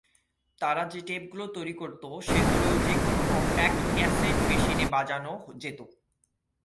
তারা যে-টেপগুলো তৈরি করত, সেগুলো যেকোনো কম্প্যাক্ট ক্যাসেট মেশিনে বাজানো যেত।